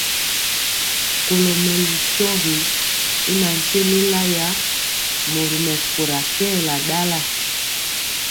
Kɔlo mɛlu shogi y natye lélaya, mori mɛkóra kɛɛla ndala.